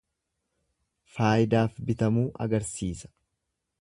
Faayidaaf bitamuu agarsiisa.